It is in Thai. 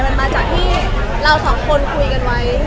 มันมาจากที่เราสองคนคุยกันไว้